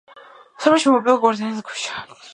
სოფელში მოიპოვება კვარციანი ქვიშა.